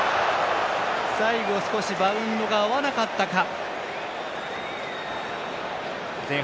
最後、少しバウンドが合わなかったか。